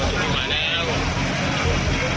เดินที่๕๓